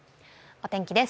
お天気です。